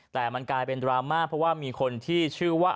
แต่มันกลายเป็นดราม่าเพราะว่ามีคนที่ชื่อว่า